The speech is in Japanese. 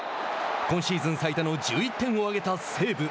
今シーズン最多の１１点を挙げた西武。